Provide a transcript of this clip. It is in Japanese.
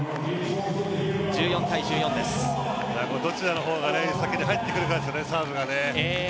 どちらの方が先に入ってくるかですよね、サーブがね。